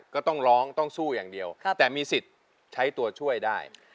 ก็ต้องร้องต้องสู้อย่างเดียวแต่มีสิทธิ์ใช้ตัวช่วยได้